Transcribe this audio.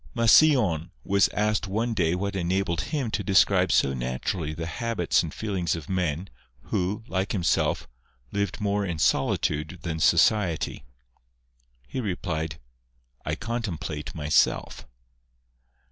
Massillon was asked one day what enabled him to describe so naturally the habits and feelings of men, who, like himself, lived more in solitude than society. He 202 COMPARISON OF THE LAST WORDS OF replied :" I contemplate myself."